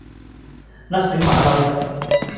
甩繩馬騮